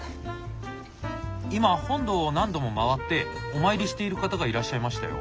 今本堂を何度も回ってお参りしている方がいらっしゃいましたよ。